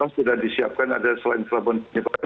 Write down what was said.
sudah disiapkan ada selain pelabuhan penyebaran